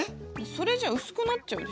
それじゃ薄くなっちゃうでしょ。